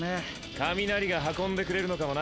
雷が運んでくれるのかもな。